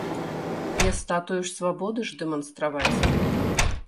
Не статую свабоды ж дэманстраваць.